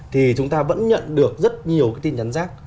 thì chúng ta vẫn nhận được rất nhiều cái tin nhắn rác